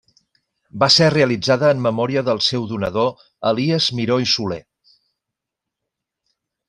Va ser realitzada en memòria del seu donador, Elies Miró i Soler.